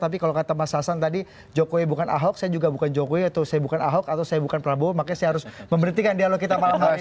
tapi kalau kata mas hasan tadi jokowi bukan ahok saya juga bukan jokowi atau saya bukan ahok atau saya bukan prabowo makanya saya harus memberhentikan dialog kita malam hari ini